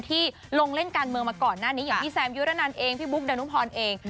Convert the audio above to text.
ที่ลงเล่นการเมืองมาก่อนหน้านี้อย่างพี่แซมยุรนันเองพี่บุ๊คดานุพรเอง